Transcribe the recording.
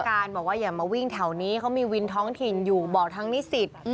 การบอกว่าอย่ามาวิ่งแถวนี้เขามีวินท้องถิ่นอยู่บอกทั้งนิสิต